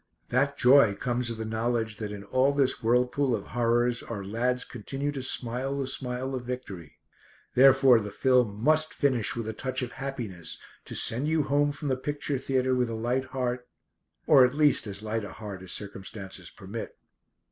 That joy comes of the knowledge that in all this whirlpool of horrors our lads continue to smile the smile of victory. Therefore the film must finish with a touch of happiness to send you home from the picture theatre with a light heart or at least as light a heart as circumstances permit.